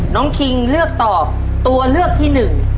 น้องคิงเลือกตอบตัวเลือกที่๑